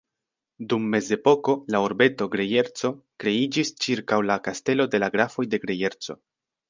Dum mezepoko la urbeto Grejerco kreiĝis ĉirkaŭ la kastelo de la Grafoj de Grejerco.